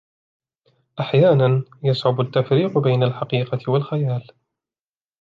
أحيانا ، يصعب التفريق بين الحقيقة و الخيال.